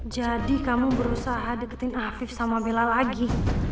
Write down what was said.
jadi kamu berusaha deketin afif sama bela lagi